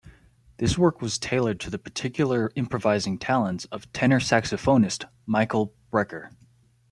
This work was tailored to the particular improvising talents of tenor saxophonist Michael Brecker.